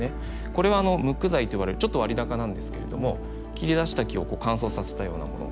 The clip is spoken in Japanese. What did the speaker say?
これは無垢材といわれるちょっと割高なんですけれども切り出した木を乾燥させたようなもの。